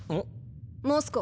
モスコ。